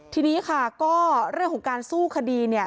ทีนี้ค่ะก็เรื่องของการสู้คดีเนี่ย